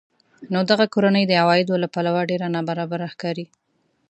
نو دغه کورنۍ د عوایدو له پلوه ډېره نابرابره ښکاري